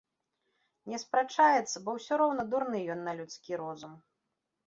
Не спрачаецца, бо ўсё роўна дурны ён на людскі розум.